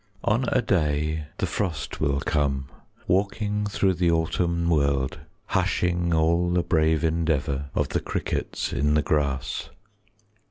On a day the frost will come, 5 Walking through the autumn world, Hushing all the brave endeavour Of the crickets in the grass.